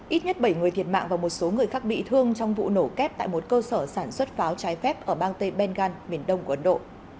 ít nhất bảy người thiệt mạng và một số người khác bị thương trong vụ nổ kép tại một cơ sở sản xuất pháo trái phép ở bang tây bengal miền đông của ấn độ